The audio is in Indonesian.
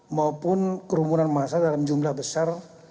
maupun kerumunan massa dalam jumlah besar